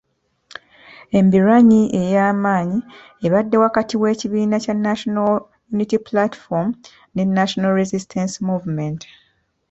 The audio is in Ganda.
Embiranyi ey’amaanyi ebadde wakati w’ekibiina kya National Unity Platform ne National Resistance Movement.